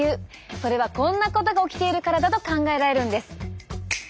それはこんなことが起きているからだと考えられるんです。